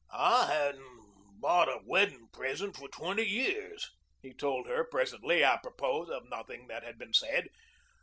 "I haven't bought a wedding present for twenty years," he told her presently, apropos of nothing that had been said.